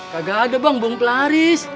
kagak ada bang bom pelaris